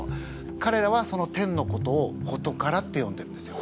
かれらはその天のことをホトカラってよんでるんですよ。